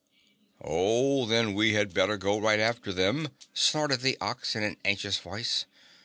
"Oh, then we had better go right after them," snorted the Ox in an anxious voice.